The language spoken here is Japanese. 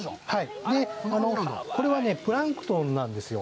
これはね、プランクトンなんですよ。